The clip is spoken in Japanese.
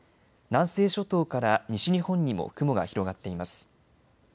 南西諸島から西日本にも雲が広がっています。